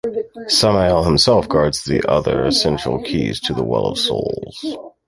Samael himself guards the other essential key to the Well of Souls.